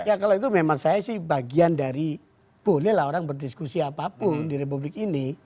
ya kalau itu memang saya sih bagian dari bolehlah orang berdiskusi apapun di republik ini